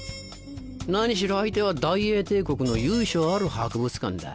何しろ相手は大英帝国の由緒ある博物館だ。